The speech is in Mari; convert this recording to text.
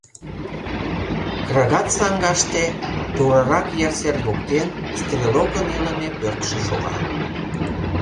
Крагат саҥгаште, турарак ер сер воктен, стрелокын илыме пӧртшӧ шога.